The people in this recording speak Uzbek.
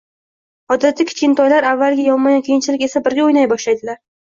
Odatda kichkintoylar avvaliga yonma-yon, keyinchalik esa birga o‘ynay boshlaydilar.